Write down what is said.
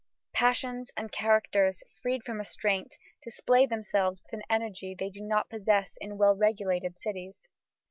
Passions and characters, freed from restraint, display themselves with an energy they do not possess in well regulated cities.